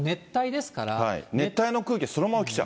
熱帯の空気がそのまま来ちゃ